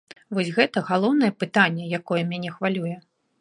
Вось гэта галоўнае пытанне, якое мяне хвалюе.